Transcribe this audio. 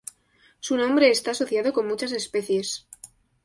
Su nombre está asociado con muchas especies.